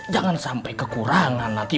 jangan sampai kekurangan lagi